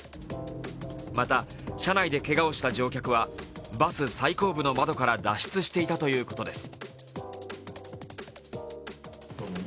また、車内でけがをした乗客はバス最後部の窓から脱出していたということです。